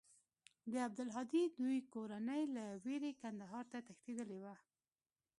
د عبدالهادي دوى کورنۍ له وېرې کندهار ته تښتېدلې وه.